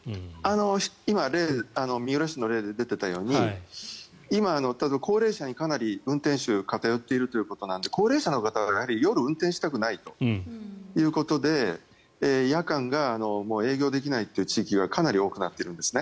今、三浦市の例で出ていたように今、高齢者にかなり運転手が偏っているということなので高齢者の方はやはり夜運転したくないということで夜間が営業できないという地域がかなり多くなっているんです。